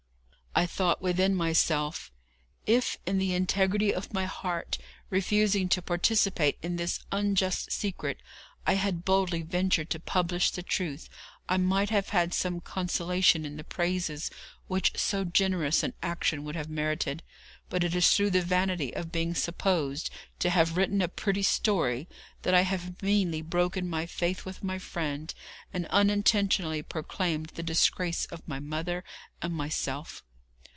I thought within myself: 'If in the integrity of my heart, refusing to participate in this unjust secret, I had boldly ventured to publish the truth, I might have had some consolation in the praises which so generous an action would have merited; but it is through the vanity of being supposed to have written a pretty story that I have meanly broken my faith with my friend, and unintentionally proclaimed the disgrace of my mother and myself.'